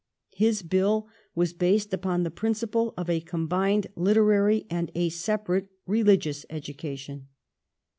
His Bill was based upon the principle of " a comi3ined literary and a separate religious education